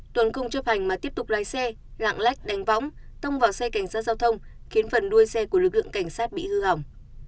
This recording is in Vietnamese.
tuấn không chấp hành mà tiếp tục lái xe lạng lách đánh võng tông vào xe cảnh sát giao thông khiến phần đuôi xe của lực lượng cảnh sát bị hư hỏng